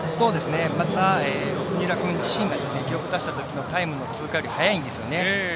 また、三浦君自身が記録を出したときのタイムより早いんですよね。